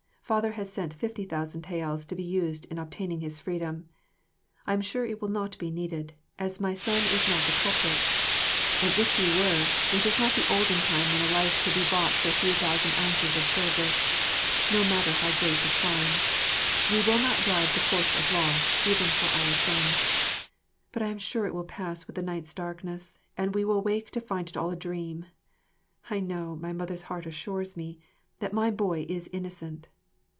Father has sent fifty thousand taels to be used in obtaining his freedom. I am sure it will not be needed, as my son is not the culprit. And if he were, it is not the olden time when a life could be bought for a few thousand ounces of silver, no matter how great the crime. We will not bribe the Courts of Law, even for our son. But I am sure it will pass with the night's darkness, and we will wake to find it all a dream. I know, my mother's heart assures me, that my boy is innocent.